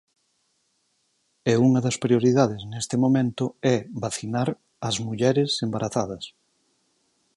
E unha das prioridades neste momento é vacinar as mulleres embarazadas.